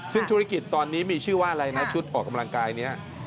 ซึ่งธุรกิจตอนนี้มีชื่อว่าอะไรนะชุดออกกำลังกายนี้